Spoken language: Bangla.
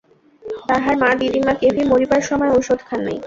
তাহার মা দিদিমা কেহই মরিবার সময় ঔষধ খান নাই।